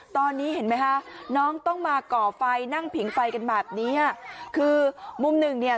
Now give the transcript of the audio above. ตอนนี้เห็นไหมคะน้องต้องมาก่อไฟนั่งผิงไฟกันแบบเนี้ยคือมุมหนึ่งเนี่ย